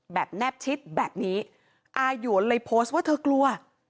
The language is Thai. แนบชิดแบบนี้อาหยวนเลยโพสต์ว่าเธอกลัว